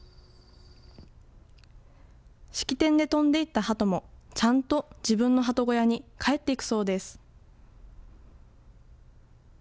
式典で飛んで行ったハトも、ちゃんと自分のハト小屋に帰っていくそうです。